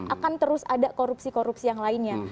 akan terus ada korupsi korupsi yang lainnya